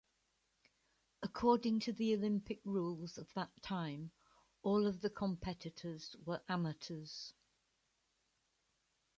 According to the Olympic rules of that time, all of the competitors were amateurs.